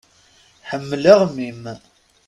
Ḥemmleɣ mmi-m.